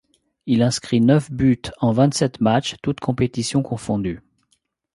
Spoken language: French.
Il inscrit neuf buts en vingt-sept matchs toutes compétitions confondues.